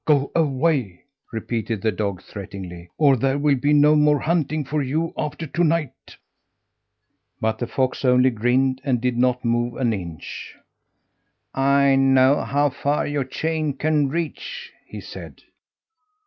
"Go away!" repeated the dog threateningly, "or there will be no more hunting for you after to night." But the fox only grinned and did not move an inch. "I know how far your chain can reach," he said.